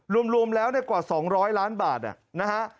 รวมลมแล้วเนี่ยกว่า๒๐๐ล้านบาทนะฮะ